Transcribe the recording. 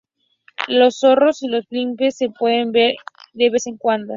Los zorros y los lemmings se pueden ver de vez en cuando.